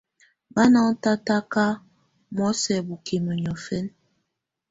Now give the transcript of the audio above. Bá na ɔ́n tatakà nɔ̀ósɛ̀ bukimǝ niɔ̀fɛna.